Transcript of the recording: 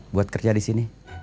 buat kerja disini